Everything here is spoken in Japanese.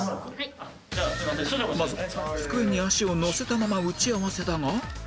まず「机に足を乗せたまま打ち合わせ」だが